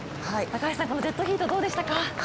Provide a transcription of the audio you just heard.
高橋さん、このデッドヒートどうでしたか？